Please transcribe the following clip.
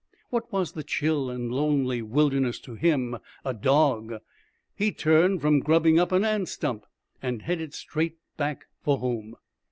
What was the chill and lonely wilderness to him, a dog? He turned from grubbing up an ant stump and headed straight back for home.